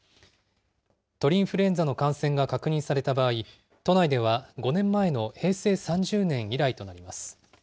鳥インフルエンザの感染が確認された場合、都内では５年前の平成３０年以来となります。